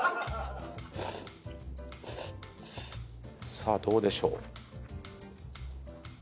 さあどうでしょう？